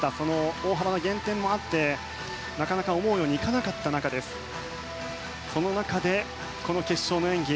大幅な減点もあってなかなか思うようにいかなかったその中で、この決勝の演技。